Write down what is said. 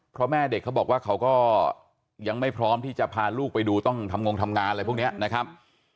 เพราะแม่เด็กเขาบอกว่าเขาก็ยังไม่พร้อมที่จะพาลูกไปดูต้องทำงงทำงานอะไรพวกนี้นะครับ